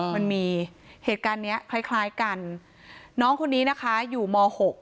มันมีเหตุการณ์นี้คล้ายกันน้องคนนี้นะคะอยู่ม๖